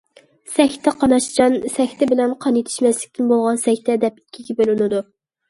سەكتە قاناشچان سەكتە بىلەن قان يېتىشمەسلىكتىن بولغان سەكتە، دەپ ئىككىگە بۆلىنىدۇ.